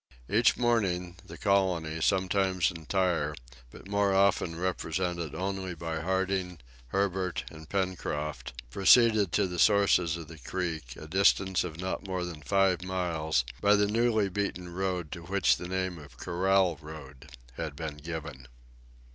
Each morning, the colony, sometimes entire, but more often represented only by Harding, Herbert, and Pencroft, proceeded to the sources of the Creek, a distance of not more than five miles, by the newly beaten road to which the name of Corral Road had been given.